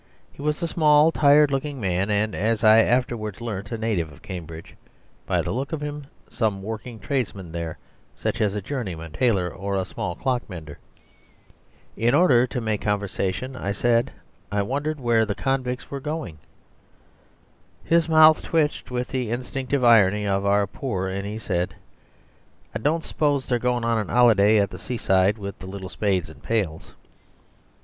He was a small, tired looking man, and, as I afterwards learnt, a native of Cambridge; by the look of him, some working tradesman there, such as a journeyman tailor or a small clock mender. In order to make conversation I said I wondered where the convicts were going. His mouth twitched with the instinctive irony of our poor, and he said: "I don't s'pose they're goin' on an 'oliday at the seaside with little spades and pails."